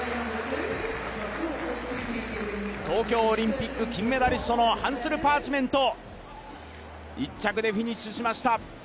東京オリンピック金メダリストのハンスル・パーチメント１着でフィニッシュしました。